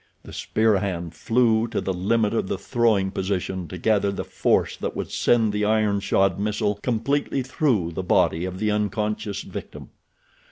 The spear hand flew to the limit of the throwing position to gather the force that would send the iron shod missile completely through the body of the unconscious victim.